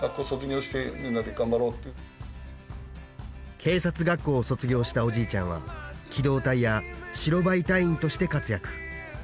警察学校を卒業したおじいちゃんは機動隊や白バイ隊員として活躍。